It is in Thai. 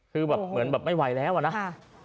คือแบบไม่ไหวแล้วนะคะ